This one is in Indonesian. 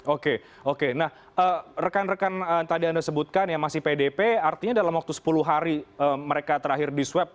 oke oke nah rekan rekan tadi anda sebutkan yang masih pdp artinya dalam waktu sepuluh hari mereka terakhir di swep